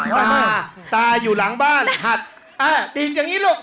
ตาตาอยู่หลังบ้านหัดอ่ะดีจังงี้หรอก